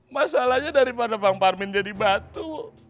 masalahnya daripada bang parmin jadi batu